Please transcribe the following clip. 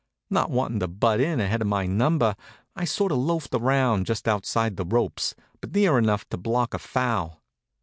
Not wantin' to butt in ahead of my number, I sort of loafed around just outside the ropes, but near enough to block a foul.